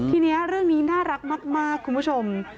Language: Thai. ทีนี้เรื่องนี้น่ารักมากคุณผู้ชม